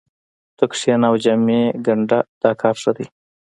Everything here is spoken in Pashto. ته کښېنه او جامې ګنډه دا کار ښه دی